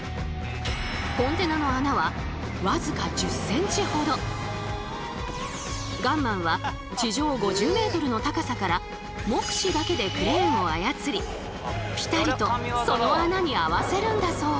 コンテナのガンマンは地上５０ｍの高さから目視だけでクレーンを操りピタリとその穴に合わせるんだそう。